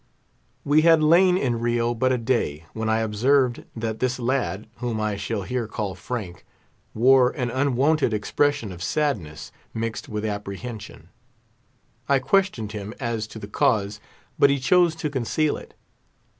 We had lain in Rio but a day, when I observed that this lad—whom I shall here call Frank—wore an unwonted expression of sadness, mixed with apprehension. I questioned him as to the cause, but he chose to conceal it.